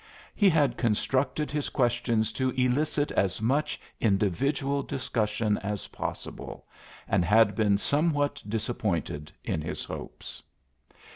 He had constructed his questions to elicit as much individual discussion as possible and had been somewhat disappointed in his hopes.